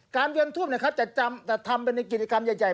การเวียนทูบจะจำแต่ทำเป็นกินการใหญ่